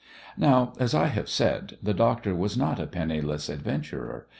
Now, as I have said, the doctor was not a penniless adventurer.